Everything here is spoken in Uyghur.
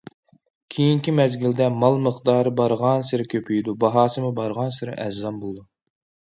كېيىنكى مەزگىلدە مال مىقدارى بارغانسېرى كۆپىيىدۇ، باھاسىمۇ بارغانسېرى ئەرزان بولىدۇ.